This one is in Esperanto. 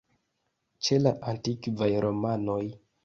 Ĉe la antikvaj romanoj.